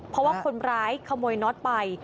เพราะว่าคนร้ายขโมยน็อตไป